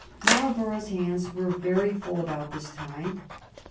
Marlborough's hands were very full about this time.